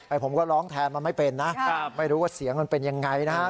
ผมก็ร้องแทนมันไม่เป็นนะครับไม่รู้ว่าเสียงมันเป็นยังไงนะครับ